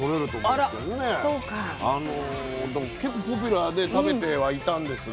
だから結構ポピュラーで食べてはいたんですが。